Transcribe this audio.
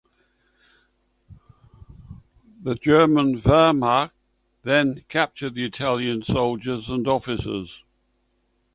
The German Wehrmacht then captured the Italian soldiers and officers.